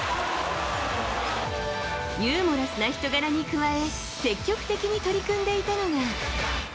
ユーモラスな人柄に加え、積極的に取り組んでいたのが。